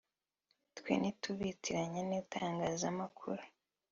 twe ntitubitiranya n’itangazamakuru